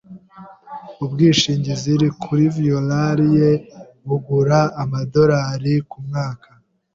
Ubwishingizi kuri violon ye bugura amadorari kumwaka.